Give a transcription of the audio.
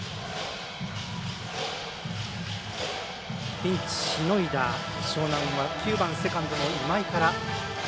ピンチしのいだ樟南は９番、セカンドの今井から。